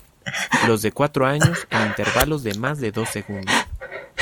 Los de cuatro años, en intervalos de más de dos segundos.